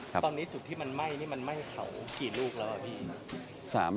ตอนนี้จุดที่มันไหม้นี่มันไหม้เขากี่ลูกแล้วอ่ะพี่